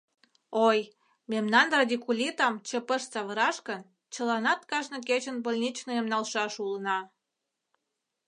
Ой, мемнан радикулитам ЧП-ш савыраш гын, чыланат кажне кечын больничныйым налшаш улына.